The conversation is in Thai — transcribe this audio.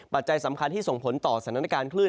ปัจจัยสำคัญที่ส่งผลต่อสถานการณ์คลื่น